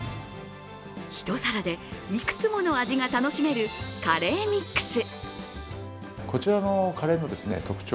一皿でいくつもの味が楽しめるカレーミックス。